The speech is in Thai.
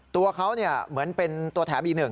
ตัวเขาเหมือนเป็นตัวแถมอีกหนึ่ง